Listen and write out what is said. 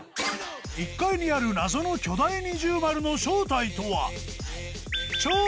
１階にある謎の巨大二重丸の正体とは？